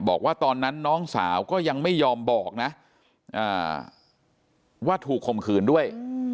บอกว่าตอนนั้นน้องสาวก็ยังไม่ยอมบอกนะว่าถูกคมขืนด้วย